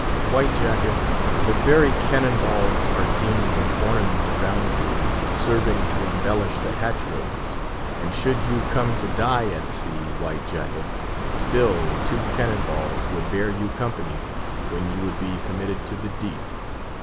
White Jacket; the very cannon balls are deemed an ornament around you, serving to embellish the hatchways; and should you come to die at sea, White Jacket, still two cannon balls would bear you company when you would be committed to the deep.